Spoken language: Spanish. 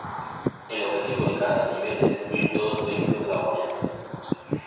El objetivo de cada nivel es destruir todos los vehículos de la oponente.